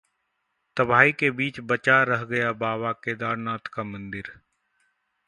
तबाही के बीच बचा रह गया बाबा केदारनाथ का मंदिर